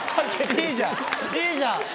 いいじゃん！